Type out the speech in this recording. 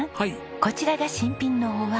こちらが新品のお椀。